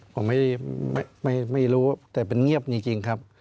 ผมไม่รู้แต่เป็นเงียบจริงครับ